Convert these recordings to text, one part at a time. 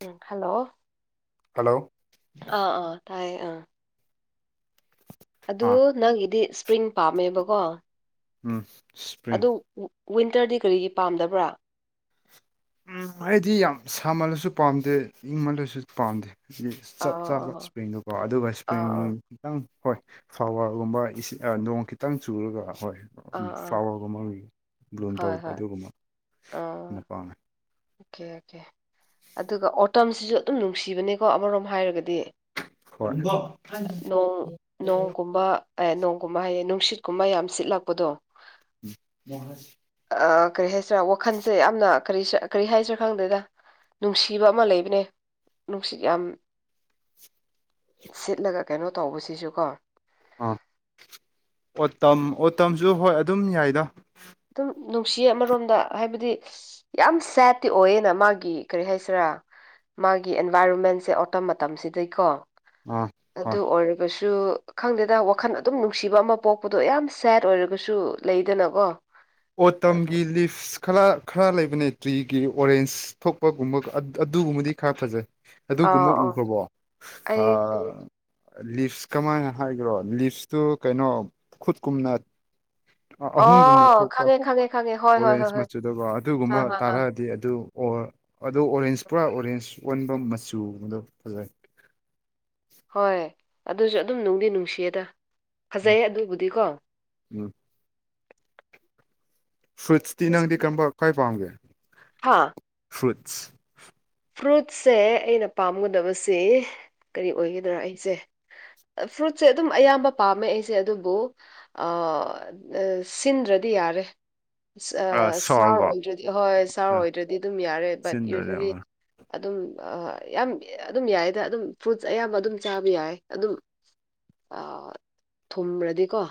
ꯎꯝ hello hello ꯑꯥ ꯑꯥ ꯇꯥꯏ ꯑ ꯑꯗꯨ ꯑꯥ ꯅꯪꯒꯤꯗꯤ ꯏꯁꯄ꯭ꯔꯤꯡ ꯄꯥꯝꯃꯦꯕꯀꯣ ꯎ ꯑꯗꯨ ꯋꯤꯟꯇꯔꯗꯤ ꯀꯔꯤꯒꯤ ꯄꯥꯝꯗꯕ꯭ꯔꯥ ꯎꯝ ꯑꯩꯗꯤ ꯌꯥꯝ ꯁꯥꯃꯜꯂꯁꯨ ꯄꯥꯝꯗꯦ ꯏꯪꯃꯜꯂꯁꯨ ꯄꯥꯝꯗꯦ ꯍꯥꯏꯗꯤ ꯆꯞ ꯆꯥꯕ ꯑꯥ ꯏꯁꯄ꯭ꯔꯤꯡꯗꯨꯣꯀꯣ ꯑꯗꯨꯒ ꯑꯥ ꯑꯥ ꯏꯁꯄ꯭ꯔꯤꯡ ꯑꯥ ꯈꯤꯇꯪ ꯍꯣꯏ ꯐ꯭ꯂꯋꯥꯔꯒꯨꯝꯕ ꯅꯣꯡ ꯈꯤꯇꯪ ꯆꯨꯔꯒ ꯍꯣꯏ ꯑꯥ ꯑꯥ ꯐ꯭ꯂꯥꯋꯔꯒꯨꯝꯕ ꯕ꯭ꯂꯨꯝ ꯍꯣꯏ ꯇꯧꯕꯗ ꯍꯣꯏ ꯑꯗꯨꯒꯨꯝꯕ ꯑꯥ ꯑꯩꯅ ꯄꯥꯝꯃꯦ ꯑꯣꯀꯦ ꯑꯣꯀꯦ ꯑꯗꯨꯒ ꯑꯣꯇꯝꯁꯤꯁꯨ ꯑꯗꯨꯝ ꯅꯨꯡꯁꯤꯕꯅꯦꯀꯣ ꯑꯃꯔꯣꯝ ꯍꯥꯏꯔꯒꯗꯤ ꯍꯣꯏ ꯅꯣꯡ ꯅꯣꯡꯒꯨꯝꯕ ꯅꯣꯡꯒꯨꯝꯕ ꯍꯥꯏꯌꯦ ꯅꯨꯡꯁꯤꯠꯀꯨꯝꯕ ꯌꯥꯝ ꯁꯤꯠꯂꯛꯄꯗꯣ ꯃ ꯀꯔꯤ ꯍꯥꯏꯁꯤꯔꯥ ꯋꯥꯈꯜꯁꯦ ꯌꯥꯝꯅ ꯀꯔꯤ ꯀꯔꯤ ꯍꯥꯏꯁꯤꯔ ꯈꯪꯗꯦꯗ ꯅꯨꯡꯁꯤꯕ ꯑꯃ ꯂꯩꯕꯅꯦ ꯅꯨꯡꯁꯤꯠ ꯌꯥꯝ [unintelligible] ꯁꯤꯠꯂꯒ ꯀꯩꯅꯣ ꯇꯧꯕꯁꯤꯁꯨ ꯀꯣ ꯑꯥ ꯑꯣꯇꯝ ꯑꯣꯇꯝꯁꯨ ꯍꯣꯏ ꯑꯗꯨꯝ ꯌꯥꯏꯗ ꯑꯗꯨꯝ ꯅꯨꯡꯁꯤ ꯑꯃꯔꯣꯝꯗ ꯍꯥꯏꯕꯗꯤ ꯌꯥꯝ ꯁꯦꯠꯇꯇꯤ ꯑꯣꯏꯌꯦꯅ ꯃꯥꯒꯤ ꯀꯔꯤ ꯍꯥꯏꯁꯤꯔꯥ ꯃꯥꯒꯤ ꯑꯦꯟꯚꯥꯏꯔꯣꯟꯃꯦꯟꯁꯦ ꯑꯣꯠꯇ ꯃꯇꯝꯁꯤꯗꯩꯀꯣ ꯑꯥ ꯍꯣꯏ ꯑꯗꯨ ꯑꯣꯏꯔꯒꯁꯨ ꯁꯨ ꯈꯪꯗꯦꯗ ꯋꯥꯈꯜ ꯑꯗꯨꯝ ꯅꯨꯡꯁꯤꯕ ꯑꯃ ꯄꯣꯛꯄꯗꯣ ꯌꯥꯝ ꯁꯦꯠ ꯑꯣꯏꯔꯒꯁꯨ ꯂꯩꯗꯅꯀꯣ ꯑꯣꯇꯝꯒꯤ ꯂꯤꯞꯁ ꯈꯔ ꯈꯔ ꯂꯩꯕꯅꯦ ꯇ꯭ꯔꯤꯒꯤ ꯑꯣꯔꯦꯟꯁ ꯊꯣꯛꯄꯒꯨꯝꯕ ꯑꯗꯨꯒꯨꯝꯕꯗꯤ ꯈꯔ ꯐꯖꯩ ꯑꯥ ꯑꯗꯨꯒꯨꯝꯕ ꯑꯥ ꯎꯈ꯭ꯔꯕꯣ ꯑꯩ ꯑ ꯂꯤꯞꯁ ꯀꯃꯥꯏꯅ ꯍꯥꯏꯈ꯭ꯔꯣ ꯂꯤꯞꯁꯇꯨ ꯀꯩꯅꯣ ꯈꯨꯠꯀꯨꯝꯅ ꯑ ꯑꯍꯨꯝꯒꯨꯝꯅ ꯑꯣ ꯈꯪꯉꯦ ꯈꯪꯉꯦ ꯈꯪꯉꯦ ꯍꯣꯏ ꯍꯣꯏ ꯍꯣꯏ ꯑꯣꯔꯦꯟꯖ ꯍꯣꯏ ꯃꯆꯨꯗꯀꯣ ꯑꯗꯨꯒꯨꯝꯕ ꯑꯥ ꯑꯥ ꯑꯥ ꯇꯥꯔꯛꯑꯗꯤ ꯑꯗꯨ ꯑꯣ ꯑꯗ ꯑꯣꯔꯦꯟꯖ ꯄꯨꯔꯥ ꯑꯣꯔꯦꯟꯖ ꯑꯣꯟꯕ ꯃꯆꯨꯒꯗꯣ ꯐꯖꯩ ꯍꯣꯏ ꯑꯗꯨꯁꯨ ꯑꯗꯨꯝ ꯅꯨꯡꯗꯤ ꯅꯨꯡꯁꯤꯌꯦꯗ ꯐꯖꯩꯌꯦ ꯑꯗꯨꯕꯨꯗꯤꯀꯣ ꯎꯝ ꯐ꯭ꯔꯨꯏꯠꯁꯇꯤ ꯅꯪꯗꯤ ꯀꯔꯝꯕ ꯈ꯭ꯋꯥꯏ ꯄꯥꯝꯒꯦ ꯍꯥꯥ ꯐ꯭ꯔꯨꯏꯠꯁ ꯐ꯭ꯔꯨꯠꯁꯦ ꯑꯩꯅ ꯄꯥꯝꯒꯗꯕꯁꯤ ꯀꯔꯤ ꯑꯣꯏꯒꯗ꯭ꯔꯥ ꯑꯩꯁꯦ ꯐ꯭ꯔꯨꯠꯁꯦ ꯑꯗꯨꯝ ꯑꯌꯥꯝꯕ ꯄꯥꯝꯃꯦ ꯑꯩꯁꯦ ꯑꯗꯨꯕꯨ ꯁꯤꯟꯗ꯭ꯔꯗꯤ ꯗꯤ ꯌꯥꯔꯦ ꯁꯥꯔ ꯁꯣꯔꯒꯣ ꯑꯣꯏꯗ꯭ꯔꯗꯤ ꯍꯣꯏ ꯁꯥꯔ ꯑꯣꯏꯗ꯭ꯔꯗꯤ ꯑꯗꯨꯝ ꯌꯥꯔꯦ ꯕꯠ ꯆꯤꯟꯗ꯭ꯔꯗꯤ ꯌꯨꯖꯋꯦꯜꯂꯤ ꯑꯥ ꯑꯗꯨꯝ ꯌꯥꯝ ꯑꯗꯨꯝ ꯌꯥꯏꯗ ꯑꯗꯨꯝ ꯐ꯭ꯔꯨꯠꯁ ꯑꯌꯥꯝꯕ ꯑꯗꯨꯝ ꯆꯥꯕ ꯌꯥꯏ ꯑꯗꯨꯝ ꯑ ꯊꯨꯝꯕ꯭ꯔꯗꯤꯀꯣ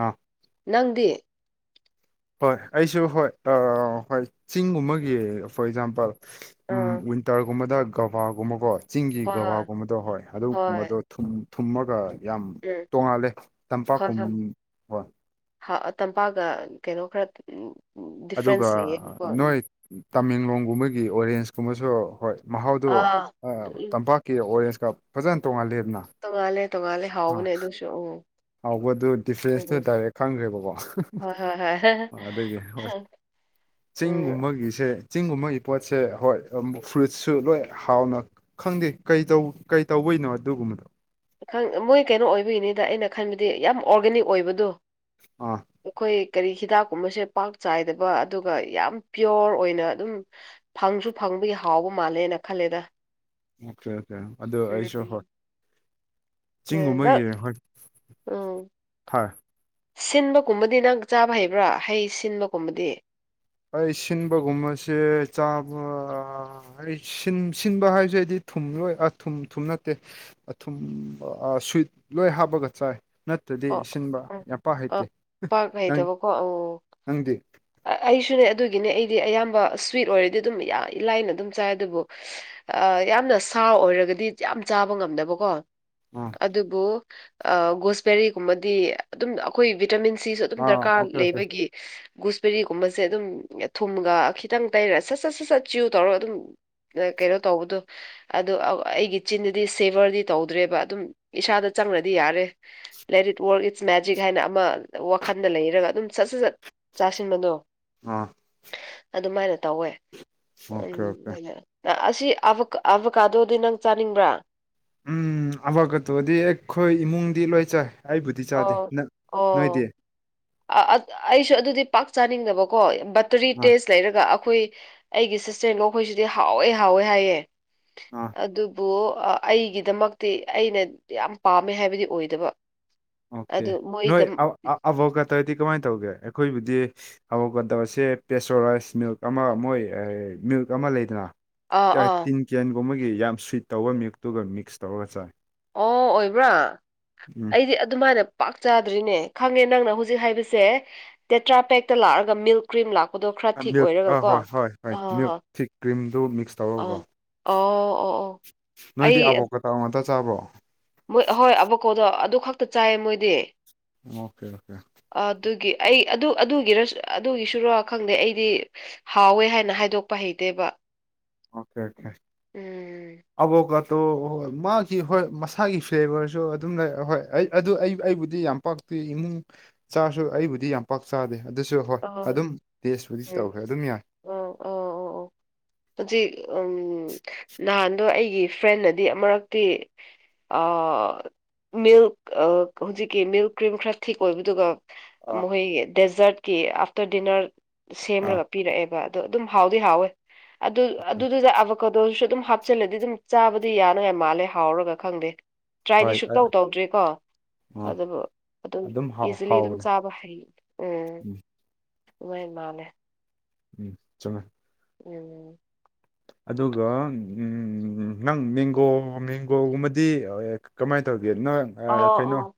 ꯑꯥ ꯅꯪꯗꯤ ꯍꯣꯏ ꯑꯩꯁꯨ ꯍꯣꯏ ꯍꯣꯏ ꯆꯤꯡꯒꯨꯝꯕꯒꯤ ꯐꯣꯔ ꯑꯦꯛꯖꯥꯝꯄꯜ ꯎꯝ ꯑꯥ ꯋꯤꯟꯇꯔꯒꯨꯝꯕꯗ ꯒꯕꯥꯒꯨꯝꯕꯀꯣ ꯆꯤꯡꯒꯤ ꯍꯣꯏ ꯍꯣꯏ ꯕꯕꯥꯒꯨꯝꯕꯗꯣ ꯍꯣꯏ ꯑꯗꯨꯒꯨꯝꯕꯗꯣ ꯊꯨꯝꯃꯒ ꯌꯥꯝ ꯍꯣꯏ ꯎꯝ ꯇꯣꯡꯉꯥꯜꯂꯦ ꯍꯣꯏ ꯇꯝꯄꯥꯛꯈꯨꯝ ꯍꯣꯏ ꯍꯣꯏ ꯇꯝꯄꯥꯛꯒ ꯀꯩꯅꯣ ꯈꯔ ꯎ ꯑꯗꯨꯒ ꯅꯣꯣꯏ ꯇꯥꯃꯦꯡꯂꯣꯡꯒꯨꯝꯕꯒꯤ ꯑꯣꯔꯦꯟꯁ ꯀꯨꯝꯕꯁꯨ ꯍꯣꯏ ꯃꯍꯥꯎꯗꯨ ꯑꯥ ꯎꯝ ꯇꯝꯄꯥꯛꯀꯤ ꯑꯣꯔꯦꯟꯁ ꯀꯞ ꯐꯖꯅ ꯇꯣꯡꯉꯜꯂꯦ ꯇꯣꯡꯉꯥꯜꯂꯦ ꯇꯣꯡꯉꯥꯜꯂꯦ ꯍꯥꯎꯕꯅꯦ ꯑꯗꯨꯁꯨ ꯎ ꯍꯥꯎꯧꯕꯗꯨ ꯗꯤꯐ꯭ꯔꯦꯟꯁꯇꯨ ꯗꯥꯏꯔꯦꯛ ꯈꯪꯈ꯭ꯔꯦꯕꯀꯣ ꯍꯣꯏ ꯍꯣꯏ ꯍꯣꯏ ꯑꯗꯨꯗꯤ ꯍꯣꯏ ꯎꯝ ꯆꯤꯡꯒꯨꯝꯕꯒꯤꯁꯦ ꯆꯤꯡꯒꯨꯝꯕꯒꯤ ꯄꯣꯠꯁꯦ ꯍꯣꯏ ꯐ꯭ꯔꯨꯏꯠꯁꯨ ꯂꯣꯏ ꯍꯥꯎꯅ ꯈꯪꯗꯦ ꯀꯩ ꯇꯧꯕ ꯣꯏꯅ ꯑꯗꯨꯣꯒꯨꯝꯃꯗꯣ ꯃꯣꯏ ꯀꯩꯅꯣ ꯑꯣꯏꯕꯒꯤꯅꯤꯗ ꯑꯩꯅ ꯈꯟꯕꯗꯤ ꯌꯥꯝ ꯑꯣꯔꯒꯥꯅꯤꯛ ꯑꯣꯏꯕꯗꯣ ꯑꯥ ꯑꯩꯈꯣꯏ ꯀꯔꯤ ꯍꯤꯗꯥꯛꯀꯨꯝꯕꯁꯦ ꯄꯥꯛ ꯆꯥꯏꯗꯕ ꯑꯗꯨꯒ ꯌꯥꯝ ꯄꯤꯌꯣꯔ ꯑꯣꯏꯅ ꯑꯗꯨꯝ ꯐꯪꯁꯨ ꯐꯪ ꯒꯤ ꯍꯥꯎꯕ ꯃꯥꯜꯂꯦꯅ ꯈꯜꯂꯦꯗ ꯑꯣꯀꯦ ꯑꯣꯀꯦ ꯑꯗꯨꯁꯨ ꯍ ꯎꯝꯗ ꯎꯝ ꯍꯥꯏ ꯁꯤꯟꯕꯒꯨꯝꯕꯗꯤ ꯅꯪ ꯆꯥꯕ ꯍꯩꯕ꯭ꯔꯥ ꯍꯩ ꯁꯤꯟꯕꯒꯨꯝꯕꯗꯤ ꯑꯩ ꯁꯤꯟꯕꯒꯨꯝꯕꯁꯦ ꯆꯥꯕ ꯑꯩ ꯁꯤꯟꯕ ꯍꯥꯏꯁꯦ ꯍꯥꯏꯗꯤ ꯊꯨꯝ ꯂꯣꯏ ꯑ ꯊꯨꯝ ꯊꯨꯝ ꯅꯠꯇꯦ ꯊꯨꯝ ꯁ꯭ꯨꯋꯤꯠ ꯂꯣꯏ ꯍꯥꯞꯄꯒ ꯆꯥꯏ ꯅꯠꯇ꯭ꯔꯗꯤ ꯑꯣ ꯁꯤꯟꯕ ꯎꯝ ꯌꯥꯝꯄꯥ ꯑ ꯍꯩꯇꯦꯪ ꯄꯥꯛ ꯍꯩꯇꯕꯀꯣ ꯑꯣ ꯅꯪꯗꯤ ꯑꯩꯁꯨꯅꯦ ꯑꯗꯨꯒꯤꯅꯦ ꯑꯩꯗꯤ ꯑꯌꯥꯝꯕ ꯁ꯭ꯋꯤꯠ ꯑꯣꯏꯔꯗꯤ ꯑꯗꯨꯝ ꯏ ꯂꯥꯏꯅ ꯑꯗꯨꯝ ꯆꯥꯏ ꯑꯗꯨꯕꯨ ꯌꯥꯝꯅ ꯁꯥ ꯑꯣꯏꯔꯒꯗꯤ ꯌꯥꯝ ꯆꯥꯕ ꯉꯝꯅꯕꯀꯣ ꯑꯥ ꯑꯗꯨꯕꯨ ꯒꯣꯁꯕꯦꯔꯤꯒꯨꯝꯕꯗꯤ ꯑꯗꯨꯝ ꯑꯩꯈꯣꯏ ꯚꯤꯇꯥꯃꯤꯟ ꯁꯤꯁꯨ ꯑꯗꯨꯝ ꯑꯥ ꯗꯔꯀꯥꯔ ꯑꯣꯀꯦ ꯑꯣꯀꯦ ꯂꯩꯕꯒꯤ ꯒꯨꯁꯕꯦꯔꯤꯒꯨꯝꯕꯁꯦ ꯑꯗꯨꯝ ꯊꯨꯝꯒ ꯈꯤꯇꯪ ꯇꯩꯔ ꯁꯠ ꯁꯠ ꯁꯠ ꯁꯠ ꯆꯤꯌꯨ ꯇꯧꯔꯒ ꯑꯗꯨꯝ ꯀꯩꯅꯣ ꯇꯧꯕꯗꯣ ꯑꯗꯨ ꯑꯩꯒꯤ ꯆꯤꯟꯗꯗꯤ ꯁꯦꯚꯔꯗꯤ ꯇꯧꯗ꯭ꯔꯦꯕ ꯑꯗꯨꯝ ꯏꯁꯥꯗ ꯆꯪꯅꯗꯤ ꯌꯥꯔꯦ ꯂꯥꯏꯔꯤ ꯏꯠ ꯋꯥꯔꯛ ꯏꯠꯁ ꯃꯦꯖꯤꯛ ꯍꯥꯏꯅ ꯑꯃ ꯋꯥꯈꯜꯗ ꯂꯩꯔꯒ ꯑꯗꯨꯝ ꯁꯠ ꯁꯠ ꯁꯠ ꯆꯥꯁꯤꯟꯕꯗꯣ ꯑꯥ ꯑꯗꯨꯃꯥꯏꯅ ꯇꯧꯋꯦ ꯎꯝ ꯑꯣꯀꯦ ꯑꯣꯀꯦ ꯑꯁꯤ ꯑ ꯑꯥꯕꯛꯀꯥꯗꯧꯗꯤ ꯅꯪ ꯆꯥꯅꯤꯡꯕ꯭ꯔꯥ ꯎꯝ ꯑꯋꯥꯀ ꯇꯣꯗꯤ ꯑꯩꯈꯣꯏ ꯏꯃꯨꯡꯗꯤ ꯂꯣꯏ ꯆꯥꯏ ꯑꯩꯕꯨꯗꯤ ꯆꯥꯗꯦ ꯑꯣ ꯅ ꯑꯣ ꯅꯣꯏꯗꯤ ꯑꯩꯁꯨ ꯑꯗꯨꯗꯤ ꯄꯥꯛ ꯆꯥꯅꯤꯡꯗꯕꯀꯣ ꯕꯇꯔꯤ ꯑꯥ ꯇꯦꯁ ꯂꯩꯔꯒ ꯑꯩꯈꯣꯏ ꯑꯩꯒꯤ ꯁꯤꯁꯇꯔꯅꯣ ꯑꯩꯈꯣꯏꯁꯤꯗꯤ ꯍꯥꯎꯋꯦ ꯍꯥꯎꯋꯦ ꯍꯥꯏꯌꯦꯦ ꯑꯥ ꯑꯗꯨꯕꯨ ꯑꯩꯒꯤꯗꯃꯛꯇꯤ ꯑꯩꯅ ꯌꯥꯝ ꯄꯥꯝꯃꯦ ꯍꯥꯏꯕꯗꯤ ꯑꯣꯏꯗꯕ ꯑꯣꯀꯦ ꯑꯗꯨ ꯃꯣꯏꯗ ꯅꯣꯏꯒ ꯑꯗꯤ ꯀꯃꯥꯏꯅ ꯇꯧꯒꯦ ꯑꯩꯈꯣꯏꯕꯨꯗꯤ ꯍꯧꯐꯛꯀꯗꯕꯁꯦ ꯄ꯭ꯔꯦꯁꯣꯔꯥꯏꯁ ꯃꯤꯜꯛ ꯑꯃ ꯃꯣꯏ ꯃꯤ ꯑꯃ ꯂꯩꯗꯅ ꯑꯥ ꯑꯥ ꯇꯤꯟ ꯀꯦꯟꯒꯨꯝꯕꯒꯤ ꯌꯥꯝ ꯁ꯭ꯋꯤꯠ ꯇꯧꯕ ꯃꯛꯇꯨꯒ ꯃꯤꯛꯁ ꯇꯧꯔꯒ ꯆꯥꯏ ꯑꯣ ꯑꯣꯏꯕ꯭ꯔꯥ ꯎꯝ ꯑꯩꯗꯤ ꯑꯗꯨꯃꯥꯏꯅ ꯄꯥꯛ ꯆꯥꯗ꯭ꯔꯤꯅꯦ ꯈꯪꯉꯦ ꯅꯪꯅ ꯍꯧꯖꯤꯛ ꯍꯥꯏꯕꯁꯦ ꯇꯦꯇ꯭ꯔꯥ ꯄꯦꯛꯇ ꯂꯥꯛꯑꯒ ꯃꯤꯜꯛ ꯀ꯭ꯔꯤꯝ ꯂꯥꯛꯄ ꯄꯣꯗꯣ ꯈꯔ ꯊꯤꯛ ꯃꯤꯜꯛ ꯑꯥ ꯑꯣꯏꯔꯒꯀꯣ ꯍꯣꯏ ꯍꯣꯏ ꯍꯣꯏ ꯃꯤꯜꯛ ꯑꯥꯍꯥ ꯊꯤꯛ ꯀ꯭ꯔꯤꯝꯗꯨ ꯃꯤꯛꯁ ꯑꯥ ꯇꯧꯔꯒꯀꯣ ꯑꯣ ꯑꯣ ꯑꯣ [unintelligible] [inaudible] ꯅꯣꯏꯗꯤ ꯑꯕꯣꯛꯀꯇꯥ ꯉꯥꯛꯇ ꯆꯥꯕ꯭ꯔꯣ ꯃꯣꯏ ꯑꯍꯣꯏ ꯑꯕꯀꯣꯗꯣ ꯑꯗꯨ ꯈꯛꯇ ꯆꯥꯏꯌꯦ ꯃꯣꯏꯗꯤ ꯑꯣꯀꯦ ꯑꯣꯀꯦ ꯑꯗꯨꯒꯤ ꯑꯩ ꯑꯗꯨ ꯑꯗꯨꯒꯤꯔꯁꯨ ꯑꯗꯨꯒꯤꯁꯨꯔ ꯈꯪꯗꯦ ꯑꯩꯗꯤ ꯍꯥꯎꯋꯦ ꯍꯥꯏꯅ ꯍꯥꯏꯗꯣꯛꯄ ꯍꯩꯇꯦ ꯁꯦꯕ ꯑꯣꯀꯦ ꯑꯣꯀꯦ ꯑꯕ ꯀ ꯑ ꯍꯣꯏ ꯃꯥꯒꯤ ꯍꯣꯏ ꯃꯁꯥꯒꯤ ꯐ꯭ꯂꯦꯕꯔꯁꯨ ꯑꯗꯨꯝ ꯂꯩ ꯍꯣꯏ ꯑꯩ ꯑꯗꯨ ꯑꯩ ꯑꯩꯕꯨꯗꯤ ꯌꯥꯝ ꯄꯥꯛ ꯑꯩ ꯏꯃꯨꯡ ꯆꯥꯁꯨ ꯑꯩꯕꯨꯗꯤ ꯌꯥꯝ ꯄꯥꯛ ꯆꯥꯗꯦ ꯑꯗꯨꯁꯨ ꯍꯣꯏ ꯑꯣ ꯑꯗꯨꯝ ꯇꯦꯁꯄꯨꯗꯤ ꯎꯝ ꯇꯧꯈ꯭ꯔꯦ ꯑꯗꯨꯝ ꯌꯥꯏ ꯑꯣ ꯑꯣ ꯑꯣ ꯑꯣ ꯍꯧꯖꯤꯛ ꯎꯝ ꯅꯍꯥꯟꯗꯣ ꯑꯩꯒꯤ ꯐ꯭ꯔꯦꯟꯅꯗꯤ ꯑꯃꯨꯔꯛꯇꯤ ꯃꯤꯜꯛ ꯍꯧꯖꯤꯛꯀꯤ ꯃꯤꯜꯛ ꯀ꯭ꯔꯤꯝ ꯈꯔ ꯊꯤꯛ ꯑꯣꯏꯕꯗꯨꯒ ꯑꯥ ꯃꯈꯣꯏꯒꯤ ꯗꯦꯖꯔꯠꯀꯤ ꯑꯥꯐꯇꯔ ꯗꯤꯅꯔ ꯑꯥ ꯁꯦꯝꯃꯒ ꯄꯤꯔꯛꯑꯦꯕ ꯑ ꯑꯗꯨꯝ ꯍꯥꯎꯗꯤ ꯍꯥꯎꯋꯦ ꯑꯗꯨ ꯑꯗꯨꯗꯨꯗ ꯑꯕꯀꯗꯣꯁꯨ ꯑꯗꯨꯝ ꯍꯥꯞꯆꯤꯂꯗꯤ ꯑꯗꯨꯝ ꯆꯥꯕꯗꯤ ꯌꯥꯅꯉꯥꯏ ꯃꯥꯜꯂꯦ ꯍꯥꯎꯔꯒ ꯈꯪꯗꯦ ꯇ꯭ꯔꯥꯏꯗꯤ ꯍꯣꯏ ꯑ ꯁꯨꯛꯇꯧ ꯇꯧꯗ꯭ꯔꯔꯤ ꯀꯣ ꯑ ꯑꯥ ꯑꯗꯨ ꯑꯗꯨꯝ ꯍꯥꯎ ꯏꯁꯤꯂꯤ ꯑꯗꯨꯝ ꯍꯥꯎꯕꯅꯦ ꯆꯥꯕ ꯍꯔꯤ ꯑ ꯎꯝ ꯥꯏ ꯃꯥꯅꯦ ꯎꯝ ꯆꯉ [inaudible] [unintelligible] ꯎꯝ [inaudible] ꯑꯗꯨꯒ ꯅꯪ ꯃꯦꯡꯒꯣ ꯃꯦꯡꯒꯣꯒꯨꯝꯕꯗꯤ ꯀꯃꯥꯏꯅ ꯇꯧꯒ ꯅꯪ ꯑꯣ ꯀꯩꯅꯣ ꯑꯣ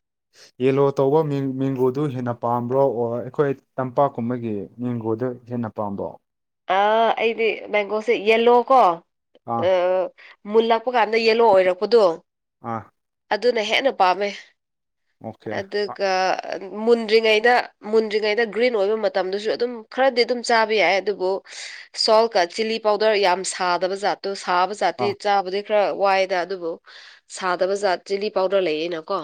ꯌꯦꯂꯣ ꯇꯧꯕ ꯃꯦꯡꯒꯣꯗꯨ ꯍꯦꯟꯅ ꯄꯥꯝꯕ꯭ꯔꯣ ꯑꯣ ꯑꯩꯈꯣꯏ ꯇꯝꯄꯥꯛꯀꯨꯝꯕꯒꯤ ꯃꯦꯡꯒꯣꯗ ꯍ ꯩ [inaudible] ꯅꯄꯥꯝꯕꯣ ꯑ ꯑꯩꯗꯤ ꯃꯕꯦꯡꯒꯣꯁꯦ ꯌꯦꯂꯣꯀꯣ ꯑꯥ ꯃꯨꯜꯂꯛꯄ ꯀꯥꯟꯗ ꯌꯦꯂꯣ ꯑꯣꯏꯔꯛꯄꯗꯣ ꯑ [unintelligible] [inaudible] ꯑꯗꯨꯅ ꯍꯦꯟꯅ ꯄꯥꯝꯃꯦ ꯑꯣꯀꯦ ꯑꯥ ꯑꯗꯨꯒ ꯃꯨꯟꯗ꯭ꯔꯤꯉꯩꯗ ꯃꯨꯟꯗ꯭ꯔꯤꯉꯩꯗ ꯒ꯭ꯔꯤꯟ ꯑꯣꯏꯕ ꯃꯇꯝꯗꯨꯁꯨ ꯑꯗꯨꯝ ꯈꯔꯗꯤ ꯑꯗꯨꯝ ꯆꯥꯕ ꯌꯥꯏ ꯑꯗꯨꯕꯨ ꯁꯣꯜꯀ ꯆꯤꯂꯤ ꯄꯥꯎꯗꯔ ꯌꯥꯝꯅ ꯁꯥꯗꯕ ꯖꯥꯠꯇꯣ ꯁꯥꯕ ꯥꯠꯇꯤ ꯆꯥꯕꯗꯤ ꯈꯔ ꯋꯥꯏꯗ ꯑꯗꯨꯕꯨ ꯁꯥꯗꯕ ꯖꯥꯠ ꯆꯤꯂꯤ ꯄꯥꯎꯗꯔ ꯂꯩꯌꯦꯅꯀꯣ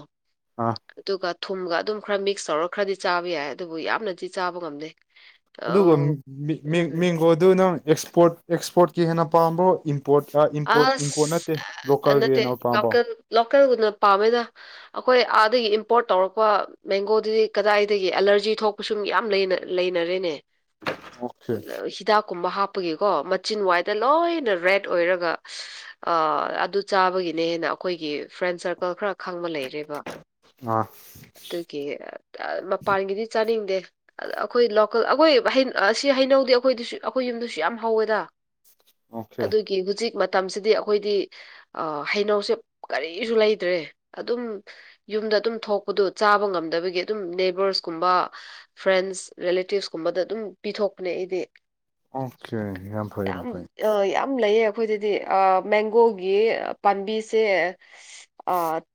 ꯑꯥ ꯑꯗꯨꯒ ꯊꯨꯝꯒ ꯑꯗꯨꯝ ꯈꯔ ꯃꯤꯛꯁ ꯇꯧꯔ ꯈꯔꯗꯤ ꯆꯥꯕ ꯌꯥꯏ ꯑꯗꯨꯕꯨ ꯌꯥꯝꯅꯗꯤ ꯆꯥꯕ ꯉꯝꯅꯩ ꯑꯗꯨꯒ ꯃꯦꯡꯒꯣꯗꯨ ꯅꯪ ꯑꯦꯛꯁꯄꯣꯔꯠ ꯑꯦꯛꯁꯄꯣꯔꯠꯀꯤ ꯍꯦꯟꯅ ꯄꯥꯝꯕꯣ ꯑꯁ ꯂꯣꯀꯦꯜꯒꯤ ꯅꯠꯇꯦ ꯍꯦꯟꯅ ꯄꯥꯝꯕ꯭ꯔꯣ ꯂꯣꯀꯦꯜ ꯂꯣꯀꯦꯜꯒꯨꯝꯅ ꯄꯥꯝꯃꯤꯅ ꯑꯩꯈꯣꯏ ꯑꯥ ꯑꯗꯒꯤ ꯏꯝꯄꯣꯔꯠ ꯇꯧꯔꯛꯄ ꯃꯦꯡꯒꯣꯗꯨꯗꯤ ꯀꯗꯥꯏꯗꯒꯤ ꯑꯦꯂꯔꯖꯤ ꯊꯣꯛꯄ ꯁꯨꯝ ꯌꯥꯝ ꯂꯩꯅꯔꯦꯅꯦ ꯑꯣꯀꯦ ꯍꯤꯗꯥꯛ ꯀꯨꯝꯕ ꯍꯥꯞꯄꯒꯤꯀꯣ ꯃꯆꯤꯟ ꯋꯥꯏꯗ ꯂꯣꯏꯅ ꯔꯦꯠ ꯑꯣꯏꯔꯒ ꯑꯗꯨ ꯆꯥꯕꯒꯤꯅꯦ ꯍꯦꯟꯅ ꯑꯩꯈꯣꯏꯒꯤ ꯐ꯭ꯔꯦꯟ ꯁꯔꯀꯜ ꯈꯔ ꯈꯪꯕ ꯂꯩꯔꯦꯕ ꯑꯥ ꯑꯗꯨꯒꯤ ꯃꯄꯥꯟꯒꯤꯗꯤ ꯆꯥꯅꯤꯡꯗꯦ ꯑꯗ ꯑꯩꯈꯣꯏ ꯂꯣꯀꯦꯜ ꯑꯩꯈꯣꯏ ꯁꯤ ꯍꯩꯅꯧꯗꯤ ꯑꯩꯈꯣꯏꯁꯨ ꯑꯩꯈꯣꯏ ꯌꯨꯝꯗꯁꯨ ꯌꯥꯝ ꯍꯧꯋꯦꯗ ꯑꯣꯀꯦ ꯑꯗꯨꯒꯤ ꯍꯧꯖꯤꯛ ꯃꯇꯝꯁꯤꯗꯤ ꯑꯩꯈꯣꯏꯗꯤ ꯍꯩꯅꯧꯁꯦ ꯀꯔꯤꯁꯨ ꯂꯩꯇ꯭ꯔꯦ ꯑꯗꯨꯝ ꯌꯨꯝ ꯑꯗꯨꯝ ꯊꯣꯛꯄꯗꯨ ꯆꯥꯕ ꯉꯝꯗꯕꯒꯤ ꯑꯗꯨꯝ ꯅꯦꯕꯔꯁꯀꯨꯝꯕ ꯐ꯭ꯔꯦꯟꯁ ꯦꯂꯦꯇꯤꯞꯁꯀꯨꯝꯕꯗ ꯑꯗꯨꯝ ꯑꯗꯨꯨꯝ ꯄꯤꯊꯣꯛꯄꯅꯦ ꯑꯩꯗꯤ ꯑꯣꯀꯦ ꯐꯩ ꯌꯥꯝ ꯐꯩ ꯌꯥꯝ ꯂꯩꯌꯦ ꯑꯩꯈꯣꯏꯗꯗꯤ ꯃꯦꯡꯒꯣꯒꯤ ꯄꯥꯝꯕꯤꯁꯦ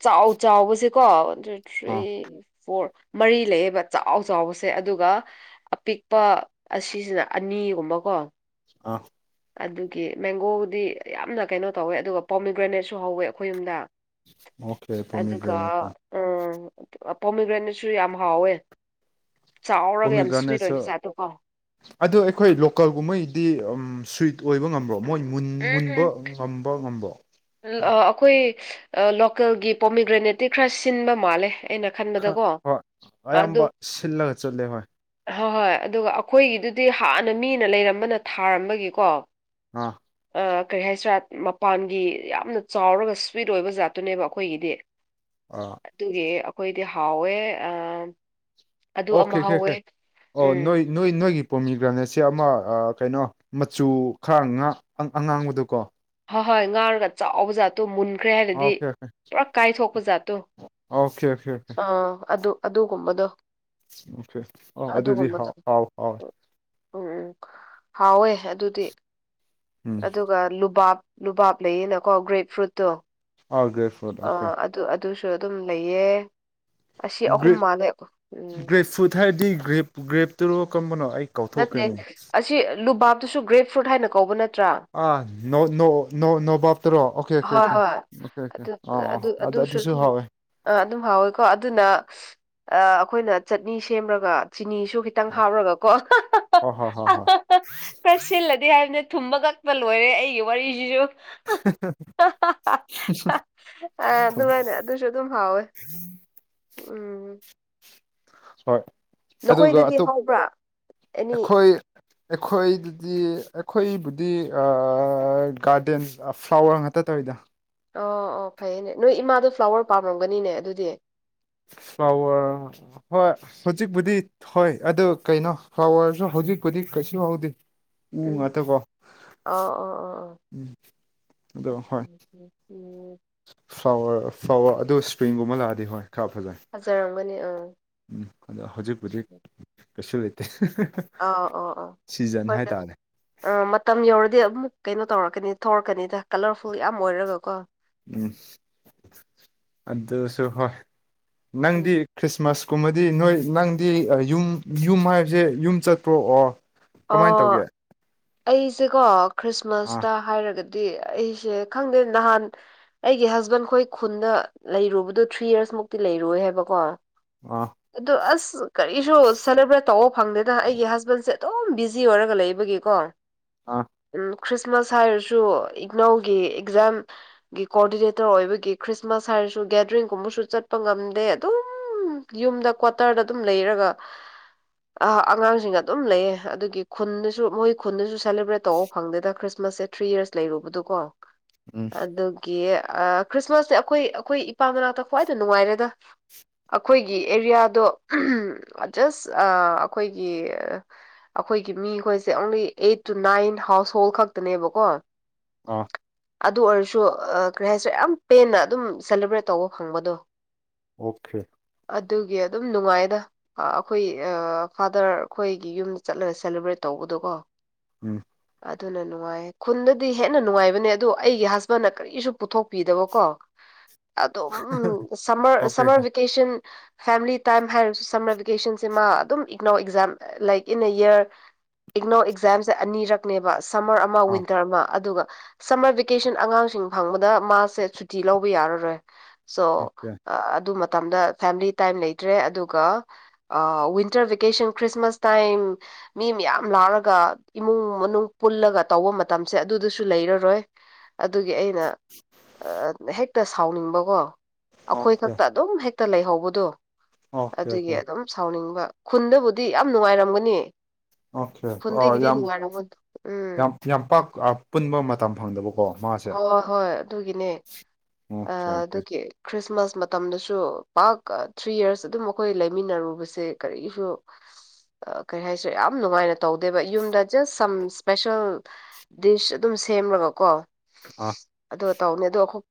ꯆꯥꯎ ꯆꯥꯎꯕꯁꯦꯀꯣꯟ ꯊ꯭ꯔꯤ ꯑꯥ ꯐꯣꯔ ꯃꯔꯤ ꯂꯩꯌꯦꯕ ꯆꯥꯎ ꯆꯥꯎꯕꯁꯦ ꯑꯗꯨꯒ ꯑꯄꯤꯛꯄ ꯑꯁꯤꯁꯤꯅ ꯑꯅꯤꯒꯨꯝꯕꯀꯣ ꯑꯥ ꯑꯗꯨꯒꯤ ꯃꯦꯡꯒꯣꯕꯨꯗꯤ ꯌꯥꯝꯅ ꯀꯩꯅꯣ ꯇꯧꯋꯦ ꯑꯗꯨꯒ ꯄꯣꯃꯤꯒ꯭ꯔꯦꯅꯦꯠꯁꯨ ꯍꯧꯋꯦ ꯑꯩꯈꯣꯏ ꯌꯨꯝꯗ ꯑꯣꯀꯦ ꯑꯗꯨ ꯀꯥ ꯄꯣꯃꯤꯒ꯭ꯔꯦꯅꯦꯠ ꯑ ꯄꯣꯃꯤꯒ꯭ꯔꯦꯦꯟꯗꯁꯨ ꯌꯥꯝ ꯍꯥꯎꯋꯦ ꯆꯥꯎꯔꯒ ꯚꯣꯃꯤ ꯌꯥꯝ ꯁ꯭ꯋꯤꯠ ꯒꯅꯦꯁꯨ ꯑꯣꯏꯕ ꯖꯥꯠꯇꯣ ꯀꯣ ꯑꯗꯨ ꯑꯩꯈꯣꯏ ꯂꯣꯀꯦꯜꯒꯨꯝꯕꯩꯗꯤ ꯎ ꯁ꯭ꯋꯤꯠ ꯑꯣꯏꯕ ꯉꯝꯕ꯭ꯔꯣ ꯃꯣꯏꯨꯟ ꯎꯝ ꯃꯨꯟꯕ ꯎꯝ ꯉꯝꯕ ꯉꯝꯕ꯭ꯔꯣ ꯎꯝ, ꯑ, ꯑꯩꯈꯣꯏ ꯂꯣꯀꯦꯜꯒꯤ ꯄꯣꯃꯤꯒ꯭ꯔꯦꯅꯦꯠꯇꯤ ꯈꯔ ꯁꯤꯟꯕ ꯃꯥꯜꯂꯦ ꯑꯩꯅ ꯈꯔ ꯈꯟꯕꯗꯀꯣ ꯍꯣꯏ ꯑꯗꯨ ꯑꯌꯥꯝꯕ ꯁꯤꯜꯂꯒ ꯆꯠꯂꯦ ꯍꯣꯏ ꯍꯣꯏ ꯍꯣꯏ ꯑꯗꯨꯒ ꯑꯩꯈꯣꯏꯒꯤꯗꯨꯗꯤ ꯍꯥꯟꯅ ꯃꯤꯅ ꯂꯩꯔꯝꯕꯅ ꯊꯥꯔꯝꯕꯒꯤꯀꯣ ꯑꯥ ꯀꯔꯤ ꯍꯥꯏꯁꯤꯔꯥꯠ ꯃꯄꯥꯟꯒꯤ ꯌꯥꯝꯅ ꯆꯥꯎꯔꯒ ꯁ꯭ꯋꯤꯠ ꯑꯣꯏꯕ ꯖꯥꯠꯇꯨꯅꯦꯕ ꯑꯩꯈꯣꯏꯒꯤꯗꯤ ꯑꯥ ꯑꯗꯨꯒꯤ ꯑꯩꯈꯣꯏꯗꯤ ꯍꯥꯎꯋꯦ ꯑ ꯑꯗꯨ ꯑꯣꯀꯦ ꯑꯃ ꯑꯣꯦ ꯑꯣꯀꯦ ꯍꯧꯋꯦ ꯑꯣ ꯎꯝ ꯅꯣꯏ ꯅꯣꯏ ꯅꯣꯏ ꯄꯣꯃꯤ ꯒ꯭ꯔꯥꯅꯦꯠꯁꯦ ꯑꯃ ꯀꯩꯅꯣ ꯃꯆꯨ ꯈꯔ ꯑꯉꯥꯡꯕꯗꯀꯣ ꯍꯣꯏ ꯍꯣꯏ ꯉꯥꯡꯔꯒ ꯆꯥꯛꯑꯣ ꯖꯥꯠꯣ ꯃꯨꯟꯅ ꯆꯠꯈ꯭ꯔꯦ ꯍꯥꯏꯔꯗꯤ ꯑꯣꯀꯦ ꯄꯨꯔꯥ ꯀꯥꯏꯊꯣꯛꯄ ꯖꯥꯠꯇꯣ ꯑꯣꯀꯦ ꯑꯣꯀꯦ ꯑꯣꯀꯦ ꯑꯥ ꯑꯗꯨ ꯑꯗꯨꯒꯨꯝꯕꯗꯣ ꯑꯣꯦ ꯑ ꯑꯗꯨꯒꯨꯝꯕꯗꯣ ꯑꯗꯨꯗꯗꯤꯥꯎꯥꯎ ꯍꯥꯎ ꯎꯝ ꯎꯝ ꯍꯥꯎꯋꯦ ꯑꯗꯨꯗꯤ ꯎꯝ ꯑꯗꯨꯒ ꯂꯨꯕꯥꯥꯞ ꯂꯩꯌꯦꯅꯀꯣ ꯒ꯭ꯔꯦꯞ ꯐ꯭ꯔꯨꯠꯇꯣ ꯑꯣꯒꯦ ꯐꯜ ꯑ ꯑꯣꯀꯦ ꯑꯗꯨ ꯑꯗꯨꯁꯨ ꯑꯗꯨꯝ ꯂꯩꯌꯦ ꯑꯁꯤ ꯒ ꯑꯍꯨꯝ ꯃꯥꯜꯂꯦ ꯎꯝ ꯒ꯭ꯔꯦꯞ ꯐꯨꯗ ꯍꯥꯏꯔꯗꯤ ꯒ꯭ꯔꯦꯞ ꯒ꯭ꯔꯦꯞꯇꯔꯣ ꯀꯝꯕꯅꯣ ꯅꯠꯇꯦ ꯑꯁꯤ ꯂꯨꯕꯥꯞꯇꯁꯨ ꯒ꯭ꯔꯦꯞ ꯐ꯭ꯔꯨꯠ ꯍꯥꯏꯅ ꯀꯧꯕ ꯅꯠꯇꯦ ꯑꯥ ꯅꯣꯕꯥꯞ ꯆꯠꯇ꯭ꯔꯣ ꯑꯣꯀꯦ ꯑꯣꯀꯦ ꯍꯣꯏ ꯑꯣꯀꯦ ꯍꯣꯏ ꯑꯣꯀꯦ ꯑꯣꯀꯦ ꯑꯥ ꯑꯥ ꯑꯗ ꯑꯗꯨꯁꯨ ꯍꯥꯎꯋꯦ ꯑ ꯑꯗꯨꯝ ꯍꯥꯎꯋꯦꯀꯣ ꯑꯗꯨꯅ ꯑꯩꯈꯣꯏꯅ ꯆꯠꯅꯤ ꯁꯦꯝꯃꯒ ꯆꯤꯅꯤꯁꯨ ꯈꯤꯇꯪ ꯑꯥ ꯍꯥꯎꯔꯒꯀꯣ ꯍꯣꯏ ꯍꯣꯏ ꯍꯣꯏ ꯍꯣꯏ ꯈꯔ ꯁꯤꯜꯂꯗꯤ ꯍꯥꯏꯕ ꯅ ꯊꯨꯝꯕ ꯀꯛꯄ ꯂꯣꯏꯔꯦ ꯑꯩꯒꯤ ꯋꯥꯔꯤꯁꯤꯁꯨ [unintelligible] ꯑ ꯊꯨꯝ ꯑꯗꯨꯃꯥꯏꯅ ꯑꯗꯨꯁꯨ ꯑꯗꯨꯝ ꯍꯥꯎꯋꯦ ꯎꯝ ꯍꯣꯏ ꯑꯗꯨꯒꯞ ꯅꯈꯣꯏꯗꯗꯤ ꯍꯧꯕ꯭ꯔꯥ ꯑꯦꯅꯤ ꯑꯩꯈꯣꯏ ꯑꯩꯈꯣꯏ ꯗꯤ ꯑꯩꯈꯣꯏꯕꯨꯗꯤ ꯒꯥꯔꯗꯦꯟ ꯐ꯭ꯂꯥꯋꯔ ꯉꯥꯛꯇ ꯇꯧꯋꯤꯗ ꯑꯣ ꯑꯣ ꯐꯩꯌꯦꯅꯦ ꯅꯣꯏ ꯏꯃꯥꯗꯣ ꯐ꯭ꯂꯥꯋꯔ ꯄꯥꯝꯔꯝꯒꯅꯤꯅꯦ ꯑꯗꯨꯗꯤ [unintelligible] ꯐ꯭ꯂꯥꯋꯔ ꯍꯣꯏ ꯍꯧꯖꯤꯛꯄꯨꯗꯤ ꯍꯣꯏ ꯑꯗꯨ ꯀꯩꯅꯣ ꯐ꯭ꯂꯥꯋꯔꯁꯨ ꯍꯧꯖꯤꯛꯄꯨꯗꯤ ꯀꯁꯤ ꯋꯥꯎꯗ ꯎ ꯎꯝ ꯉꯥꯛꯇꯦꯀꯣ ꯑꯣ ꯑꯣ ꯑꯣ ꯎꯝ ꯑꯣ ꯍꯣꯏ ꯎꯝ ꯐ꯭ꯂꯋꯔ ꯐ꯭ꯂꯋꯔ ꯑꯗꯨ ꯏꯁꯄ꯭ꯔꯤꯡꯒꯨꯝꯕ ꯂꯥꯛꯑꯗꯤ ꯍꯣꯏ ꯈꯔ ꯐꯖꯩ ꯐꯖꯔꯝꯒꯅꯤ ꯑꯥ ꯎꯝ ꯑꯗꯣ ꯍꯧꯖꯤꯛꯄꯗꯤꯛ ꯀꯩꯁꯨ ꯂꯩꯇꯦ ꯑ ꯑ ꯑ ꯁꯤꯖꯟ ꯍꯣꯏ ꯍꯥꯏꯇꯥꯔꯦ ꯑ ꯃꯇꯝ ꯌꯧꯔ ꯑꯗꯨꯗꯤ ꯑꯃꯨꯛ ꯀꯩꯅꯣ ꯇꯧꯔꯛꯀꯅꯤ ꯊꯣꯔꯛꯀꯅꯤꯗ ꯀꯂꯔꯐꯨꯜ ꯌꯥꯝ ꯑꯣꯏꯔꯒꯀꯣ ꯎꯝ ꯑꯗꯨꯁꯨ ꯍꯣꯏ ꯅꯪꯗꯤ ꯎꯝ ꯈ꯭ꯔꯤꯁꯃꯥꯁ ꯀꯨꯝꯃꯗꯤ ꯅꯣꯏ ꯅꯪꯗꯤ ꯌꯨꯝ ꯌꯨꯝ ꯍꯥꯏꯕꯁꯦ ꯌꯨꯝ ꯆꯠꯄ꯭ꯔꯣꯑꯣ ꯀꯃꯥꯏꯅ ꯇꯧꯒꯦ ꯑꯣ ꯑꯩꯁꯦꯀꯣ ꯑꯥ ꯈ꯭ꯔꯤꯁꯃꯥꯁꯇ ꯍꯥꯏꯔꯒꯗꯤ ꯗꯤ ꯑꯩꯁꯦ ꯈꯪꯗꯦ ꯅꯍꯥꯟ ꯑꯩꯒꯤ ꯍꯁꯕꯦꯟ ꯈꯣꯏ ꯈꯨꯟꯗ ꯂꯩꯔꯨꯕꯗꯣ ꯊ꯭ꯔꯤ ꯌꯔꯁ ꯃꯨꯛꯇꯤ ꯂꯩꯔꯣꯏ ꯍꯥꯏꯕꯀꯣ ꯑꯥ ꯑꯣ ꯑꯁ ꯀꯔꯤꯁꯨ ꯁꯦꯂꯦꯕ꯭ꯔꯦꯠ ꯇꯧꯕ ꯐꯪꯗꯦꯅ ꯑꯩꯒꯤ ꯍꯁꯕꯦꯟꯁꯦ ꯑꯗꯨꯝ ꯕꯤꯖꯤ ꯑꯣꯏꯔꯒ ꯂꯩꯕꯒꯤꯀꯣ ꯑꯥ ꯎꯝ ꯈ꯭ꯔꯤꯁꯃꯥꯁ ꯍꯥꯏꯔꯁꯨ ꯏꯅꯧꯒꯤ ꯑꯦꯛꯖꯥꯝꯒꯤ ꯀꯣꯑꯣꯗꯤꯅꯦꯇꯔ ꯑꯣꯏꯕꯒꯤ ꯈ꯭ꯔꯤꯁꯃꯥꯁ ꯍꯥꯏꯔ ꯒꯦꯗꯔꯤꯡꯒꯨꯝꯕꯁꯨ ꯆꯠꯄ ꯉꯝꯗꯦ ꯑꯗꯨꯝ ꯝ ꯌꯨꯝꯗ ꯀ꯭ꯋꯥꯇꯔꯗ ꯑꯗꯨꯝ ꯂꯩꯔꯒ ꯑꯉꯥꯡꯁꯤꯡꯒ ꯑꯗꯨꯝ ꯂꯩꯌꯦ ꯑꯗꯨꯒꯤ ꯈꯨꯟꯅꯁꯨ ꯃꯣꯏ ꯈꯨꯟꯗꯁꯨ ꯁꯦꯂꯦꯕ꯭ꯔꯦꯠ ꯇꯧꯕ ꯐꯪꯗꯦꯗ ꯈ꯭ꯔꯤꯁꯃꯥꯁꯁꯦ ꯊ꯭ꯔꯤ ꯌꯔꯁ ꯂꯩꯔꯨꯕꯗꯣꯀꯣ ꯎꯝ ꯑꯗꯨꯒꯤ ꯈ꯭ꯔꯤꯁꯃꯥꯁꯁꯦ ꯑꯩꯈꯣꯏ ꯑꯩꯈꯣꯏ ꯏꯄꯥ ꯃꯅꯥꯛꯇ ꯈ꯭ꯋꯥꯏꯗ ꯅꯨꯡꯉꯥꯏꯔꯦꯗ ꯑꯩꯈꯣꯏꯒꯤ ꯑꯦꯔꯤꯌꯥꯗꯣ ꯖꯁ ꯑꯩꯈꯣꯏꯒꯤ ꯑꯩꯈꯣꯏꯒꯤ ꯃꯤꯈꯣꯏꯁꯦ only eight two nine household ꯈꯛꯇꯅꯦꯕꯀꯣ ꯑ ꯑꯗꯨ ꯑꯣꯏꯔꯁꯨ ꯀꯔꯤ ꯍꯥꯏꯁꯔꯦ ꯌꯥꯝ ꯄꯦꯟꯅ ꯑꯗꯨꯝ ꯁꯦꯂꯦꯕ꯭ꯔꯦꯠ ꯇꯧꯕ ꯐꯪꯕꯗꯣ ꯑꯣꯈꯦ ꯑꯗꯨꯒꯤ ꯑꯗꯨꯝ ꯅꯨꯡꯉꯥꯏꯗ ꯑꯩꯈꯣꯏ ꯐꯥꯗꯔ ꯑꯩꯈꯣꯏꯒꯤ ꯌꯨꯝ ꯆꯠꯂꯦ ꯁꯦꯂꯦꯕ꯭ꯔꯦꯠ ꯇꯧꯕꯗꯣꯀꯣ ꯎꯝ ꯑꯗꯨꯅ ꯅꯨꯡꯉꯥꯏ ꯈꯨꯟꯗꯗꯤ ꯍꯦꯟꯅ ꯅꯨꯡꯉꯥꯏꯕꯅꯦ ꯑꯗꯨꯗ ꯑꯩꯒꯤ ꯍꯁꯕꯟꯅ ꯀꯔꯤꯁꯨ ꯄꯨꯊꯣꯛꯄꯤꯗꯕꯀꯣ [unintelligible] ꯑꯗꯣ ꯎꯝ sir okay summer vacation family time ꯍꯥꯏꯔꯁꯨ ꯁꯝꯃꯔ ꯚꯦꯀꯦꯁꯟꯁꯦ ꯃꯥ ꯑꯗꯨꯝ ꯏꯛꯅꯧ exam like in a year ꯏꯛꯅꯧ ꯑꯦꯛꯖꯥꯝꯁꯦ ꯑꯅꯤꯔꯛꯅꯦꯕ ꯁꯝꯃꯔ ꯑꯃ ꯑꯥ ꯋꯤꯟꯇꯔ ꯑꯃ ꯑꯗꯨꯒ ꯁꯝꯃꯔ ꯚꯦꯀꯦꯁꯟ ꯑꯉꯥꯡꯁꯤꯡ ꯐꯪꯕꯗ ꯃꯥꯁꯦ ꯁꯨꯇꯤ ꯂꯧꯕ ꯌꯥꯔꯔꯣꯏ ꯁꯣ ꯑꯣꯀꯦ ꯑꯗꯨ ꯃꯇꯝꯗ ꯐꯦꯃꯤꯂꯤ ꯇꯥꯏꯝ ꯂꯩꯇ꯭ꯔꯦ ꯑꯗꯨꯒ ꯋꯤꯟꯇꯔ ꯕꯦꯀꯦꯁꯟ ꯈ꯭ꯔꯤꯁꯃꯥꯁ ꯇꯥꯏꯝ ꯃꯤ ꯃꯌꯥꯝ ꯂꯥꯎꯔꯒ ꯏꯃꯨꯡ ꯃꯅꯨꯡ ꯄꯨꯜꯂꯒ ꯇꯧꯕ ꯃꯇꯝꯁꯦ ꯑꯗꯨꯗꯁꯨ ꯂꯩ ꯔꯣ ꯔꯣꯏ ꯑꯗꯨꯒꯤ ꯑꯩꯅ ꯍꯦꯛꯇ ꯁꯥꯎꯅꯤꯡꯕꯀꯣ ꯑꯩꯈꯣꯏ ꯑꯣꯀꯦ ꯈꯛꯇ ꯑꯗꯨꯝ ꯍꯦ ꯇ ꯂꯩꯍꯧꯕꯗꯣ ꯑꯣꯀꯦ ꯑꯗꯨꯒꯤ ꯑꯗꯨꯝ ꯁꯥꯎꯅꯤꯡꯕ ꯈꯨꯟꯗꯕꯨꯗꯤ ꯌꯥꯝ ꯅꯨꯡꯉꯥꯏꯔꯝꯒꯅꯤ [inaudible] ꯑꯣꯀꯦ ꯈꯨꯟꯗꯒꯤꯗꯤ ꯌꯥꯝ ꯅꯨꯡꯉꯥꯏꯔꯝꯒꯅꯤ ꯎꯝ ꯌꯥꯝ ꯌꯥꯝ ꯄꯥꯛ ꯄꯨꯟꯕ ꯃꯇꯝ ꯐꯪꯗꯕꯀꯣ ꯃꯥꯁꯦ ꯍꯣꯏ ꯍꯣꯏ ꯑꯗꯨꯒꯤꯅꯦ ꯑꯣꯀꯦ ꯑꯣꯀꯦ ꯑꯗꯨꯒꯤ ꯈ꯭ꯔꯤꯁꯃꯥꯁ ꯃꯇꯝꯗꯁꯨ ꯄꯥꯛ ꯊ꯭ꯔꯤ ꯌꯔꯁ ꯑꯗꯨꯝ ꯑꯩꯈꯣꯏ ꯂꯩꯃꯤꯟꯅꯔꯨꯕꯁꯦ ꯀꯔꯤꯒꯤꯁꯨ ꯀꯔꯤ ꯍꯥꯏꯁꯦ ꯌꯥꯝ ꯅꯨꯡꯉꯥꯏꯅ ꯇꯧꯗꯦꯕ ꯌꯨꯝꯗ ꯖꯁ ꯁꯝ ꯏꯁꯄꯦꯁꯦꯜ ꯗꯤꯁ ꯑꯗꯨꯝ ꯁꯦꯝꯂꯒꯀꯣ ꯑꯥ ꯑ ꯇꯧꯅꯤ ꯑꯗꯣ ꯑꯩꯈꯣꯏ